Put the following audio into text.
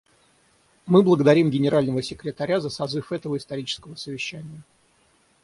Мы благодарим Генерального секретаря за созыв этого исторического совещания.